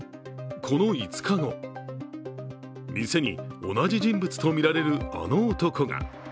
この５日後、店に同じ人物とみられる、あの男が。